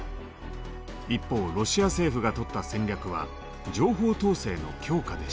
一方ロシア政府がとった戦略は情報統制の強化でした。